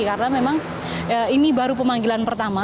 karena memang ini baru pemanggilan pertama